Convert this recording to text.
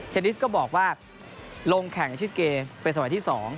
นิสก็บอกว่าลงแข่งในชิดเกมเป็นสมัยที่๒